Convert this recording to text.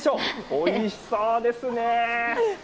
おいしそうですね。